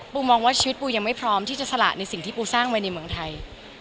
มองว่าชีวิตปูยังไม่พร้อมที่จะสละในสิ่งที่ปูสร้างไว้ในเมืองไทย